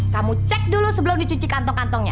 kamu cek dulu sebelum dicuci kantong kantongnya